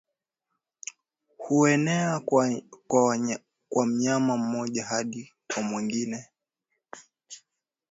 huenea kwa mnyama mmoja hadi kwa mwingine